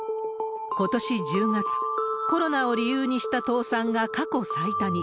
ことし１０月、コロナを理由にした倒産が過去最多に。